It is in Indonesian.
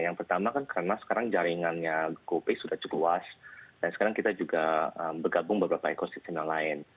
yang pertama kan karena sekarang jaringannya copy sudah cukup luas dan sekarang kita juga bergabung beberapa ekosistem yang lain